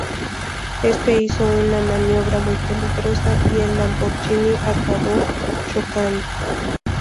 Éste hizo una maniobra muy peligrosa y el Lamborghini acabó chocando.